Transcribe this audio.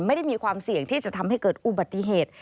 ไม่ได้มีความเสี่ยงที่จะทำให้เกิดอุบัติเหตุ